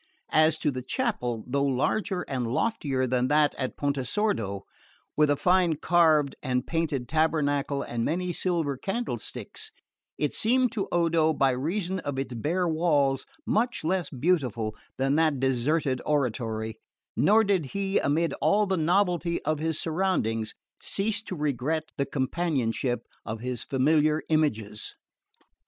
As to the chapel, though larger and loftier than that of Pontesordo, with a fine carved and painted tabernacle and many silver candlesticks, it seemed to Odo, by reason of its bare walls, much less beautiful than that deserted oratory; nor did he, amid all the novelty of his surroundings, cease to regret the companionship of his familiar images.